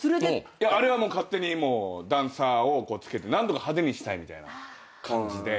あれは勝手にダンサーをつけて何とか派手にしたいみたいな感じで。